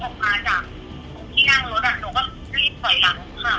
เพราะว่าตอนเขาออกมาจากที่นั่งรถโดนก็รีบไปนะค่ะ